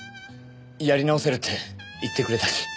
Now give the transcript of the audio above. やり直せるって言ってくれたし。